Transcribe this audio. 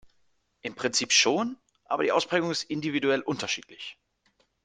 Im Prinzip schon, aber die Ausprägung ist individuell unterschiedlich.